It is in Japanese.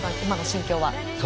今の心境は。